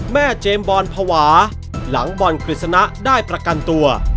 เจมส์บอลภาวะหลังบอลกฤษณะได้ประกันตัว